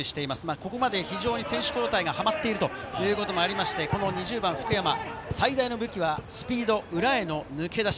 ここまで選手交代がはまってるということもありまして、２０番の福山、最大の武器はスピード、裏への抜け出し、